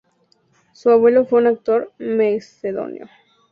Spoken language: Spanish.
Su abuelo fue un actor macedonio.